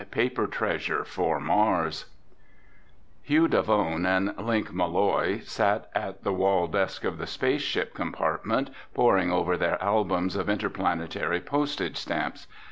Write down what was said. PAPER TREASURE FOR MARS Hugh Davone and Link Malloy sat at the wall desk of the space ship compartment poring over their albums of interplanetary postage stamps.